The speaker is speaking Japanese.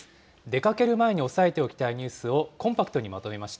出かける前に押さえておきたいニュースをコンパクトにまとめまし